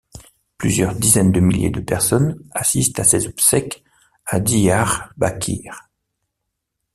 Plusieurs dizaines de milliers de personnes assistent à ses obsèques à Diyarbakır.